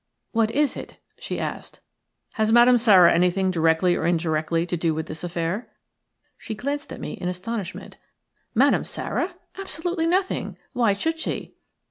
"What is it?" she asked. "Has Madame Sara anything, directly or indirectly, to do with this affair? '' She glanced at me in astonishment. "Madame Sara? Absolutely nothing! Why should she?"